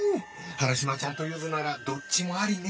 原島ちゃんとユズならどっちもありね